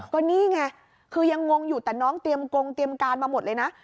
ก็นี่ไงคือยังงงอยู่แต่น้องเตรียมกงเตรียมการมาหมดเลยนะ